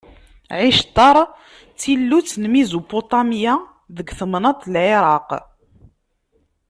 Ɛictar d tillut n Mizupuṭamya, deg tmennaṭ n Lɛiraq.